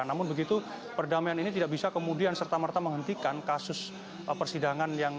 namun begitu perdamaian ini tidak bisa kemudian serta merta menghentikan kasus persidangan yang